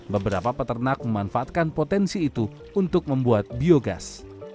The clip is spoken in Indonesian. beberapa peternak memanfaatkan potensi itu untuk membuat biogas